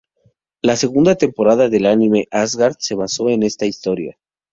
La segunda temporada del anime, "Asgard", se basó en esta historia.